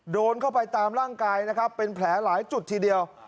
โดนเข้าไปตามร่างกายนะครับเป็นแผลหลายจุดทีเดียว